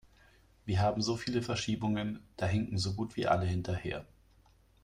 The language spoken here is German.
Wir haben so viele Verschiebungen, da hinken so gut wie alle hinterher.